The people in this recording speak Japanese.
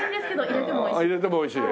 入れても美味しい。